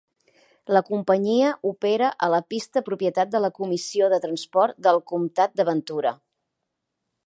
La companyia opera a la pista propietat de la Comissió de Transport del Comtat de Ventura.